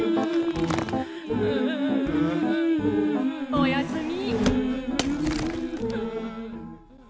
おやすみ。